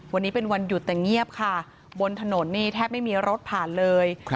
วันนี้เป็นวันหยุดแต่เงียบค่ะบนถนนนี่แทบไม่มีรถผ่านเลย